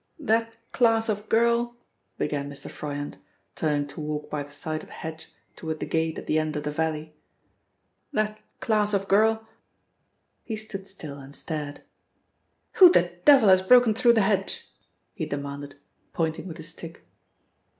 "That class of girl," began Mr. Froyant, turning to walk by the side of the hedge toward the gate at the end of the valley, "that class of girl " he stood still and stared. "Who the devil has broken through the hedge?" he demanded, pointing with his stick.